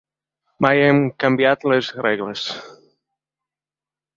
Mai hem canviat les regles.